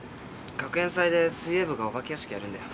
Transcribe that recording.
学園祭で水泳部がオバケ屋敷やるんだよ。